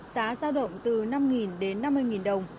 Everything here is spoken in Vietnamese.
giá sao động từ năm đến năm mươi đồng